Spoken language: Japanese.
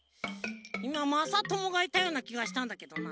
いままさともがいたようなきがしたんだけどな。